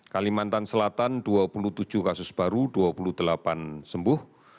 kalimantan selatan dua puluh tujuh kasus baru dua puluh delapan sembuh